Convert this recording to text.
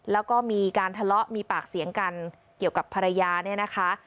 แล้วก็มีการทะเลาะมีปากเสียงกันเกี่ยวกับภรรยาเนี่ยนะคะ